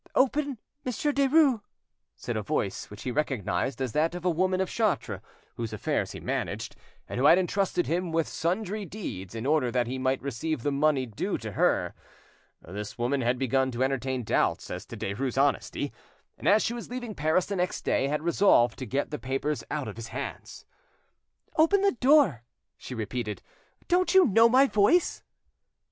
"Open, Monsieur Derues," said a voice which he recognised as that of a woman of Chartres whose affairs he managed, and who had entrusted him with sundry deeds in order that he might receive the money due to her. This woman had begun to entertain doubts as to Derues' honesty, and as she was leaving Paris the next day, had resolved to get the papers out of his hands. "Open the door," she repeated. "Don't you know my voice?"